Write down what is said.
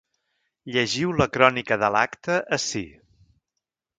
Llegiu la crònica de l’acte ací.